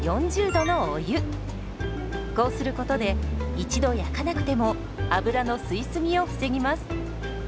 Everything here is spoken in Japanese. こうすることで一度焼かなくても油の吸い過ぎを防ぎます。